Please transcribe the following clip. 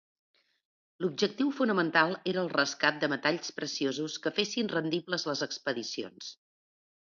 L'objectiu fonamental era el rescat de metalls preciosos que fessin rendibles les expedicions.